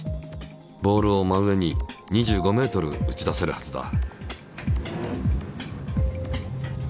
ボールを真上に２５ｍ打ち出せるはずだ。